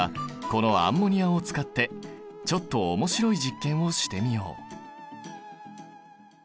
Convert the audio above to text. このアンモニアを使ってちょっと面白い実験をしてみよう。